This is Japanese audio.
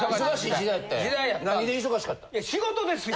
いや仕事ですよ！